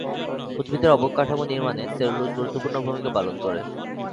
উদ্ভিদের অবকাঠামো নির্মাণে সেলুলোজ গুরুত্বপূর্ণ ভূমিকা পালন করে।